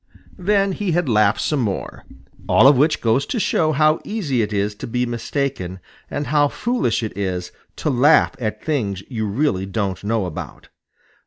Then he had laughed some more, all of which goes to show how easy it is to be mistaken, and how foolish it is to laugh at things you really don't know about.